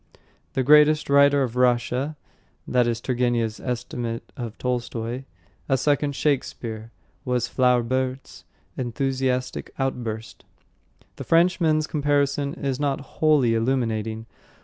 "The greatest writer of Russia." That is Turgenev's estimate of Tolstoy. "A second Shakespeare!" was Flaubert's enthusiastic outburst. The Frenchman's comparison is not wholly illuminating.